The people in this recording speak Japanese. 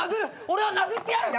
俺は殴ってやる！